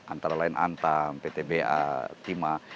antara lain antam ptba timah